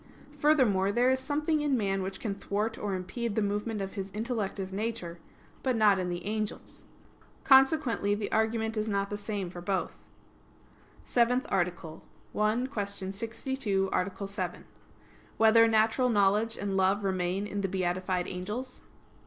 Furthermore, there is something in man which can thwart or impede the movement of his intellective nature; but not in the angels. Consequently the argument is not the same for both. _______________________ SEVENTH ARTICLE [I, Q. 62, Art. 7] Whether Natural Knowledge and Love Remain in the Beatified Angels?